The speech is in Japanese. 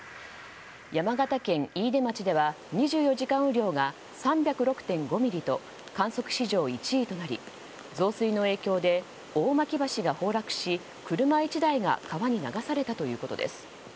山形県飯豊町では２４時間雨量が３０６．５ミリと観測史上１位となり増水の影響で、大巻橋が崩落し車１台が川に流されたということです。